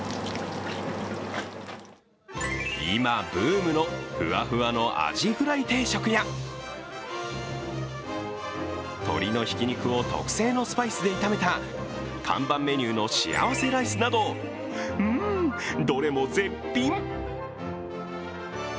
今ブームのふわふわのアジフライ定食や鶏のひき肉を特製のスパイスで炒めた看板メニューの幸せライスなどうん、どれも絶品！